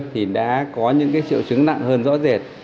thì đã có những triệu chứng nặng hơn rõ rệt